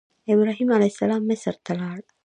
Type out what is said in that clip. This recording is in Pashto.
ابراهیم علیه السلام مصر ته لاړ.